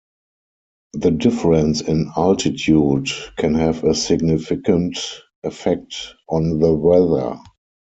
The difference in altitude can have a significant effect on the weather.